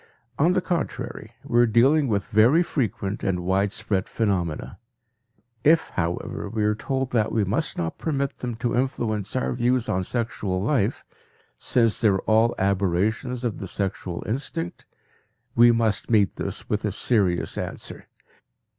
On the contrary, we are dealing with very frequent and widespread phenomena. If, however, we are told that we must not permit them to influence our views on sexual life, since they are all aberrations of the sexual instinct, we must meet this with a serious answer.